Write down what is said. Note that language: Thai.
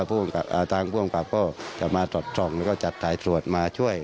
แล้วก็ข้างพ่อเพราะข้ายังรวมเขาจะมาสดดดลองแล้วจะทายสวดมาช่วย